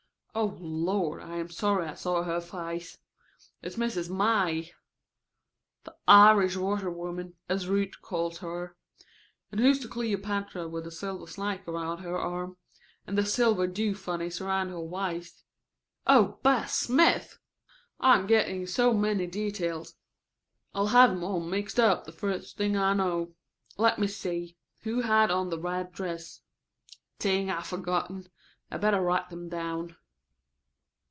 Oh, Lord! I am sorry I saw her face. It's Mrs. May , the Irish washerwoman, as Ruth calls her. And who's the Cleopatra with the silver snake around her arm, and the silver do funnies around her waist? Oh, Bess Smith! I am getting so many details I'll have 'em all mixed up the first thing I know. Let me see, who had on the red dress? Ding, I've forgotten. I'd better write them down."